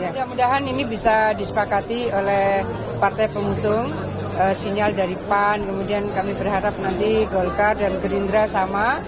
mudah mudahan ini bisa disepakati oleh partai pengusung sinyal dari pan kemudian kami berharap nanti golkar dan gerindra sama